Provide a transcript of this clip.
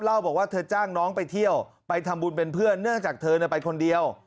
เล่าบอกว่าเธอจ้างน้องไปเที่ยวไปทำบุญเป็นเพื่อนเนื่องจากเธอไปคนเดียว